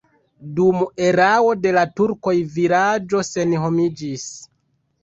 Dum erao de la turkoj la vilaĝo senhomiĝis.